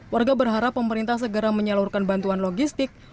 warga berharap pemerintah segera menyalurkan bantuan logistik